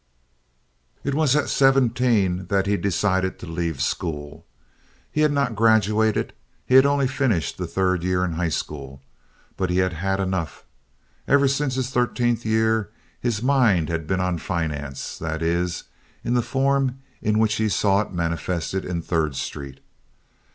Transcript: It was at seventeen that he decided to leave school. He had not graduated. He had only finished the third year in high school; but he had had enough. Ever since his thirteenth year his mind had been on finance; that is, in the form in which he saw it manifested in Third Street.